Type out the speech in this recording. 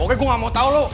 pokoknya gue gak mau tau lu